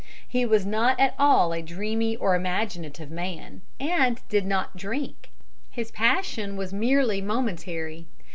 He was not at all a dreamy or imaginative man, and did not drink. His passion was merely momentary.